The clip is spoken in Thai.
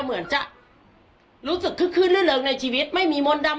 เหมือนจะรู้สึกคึกขึ้นลื่นเริงในชีวิตไม่มีมดดำ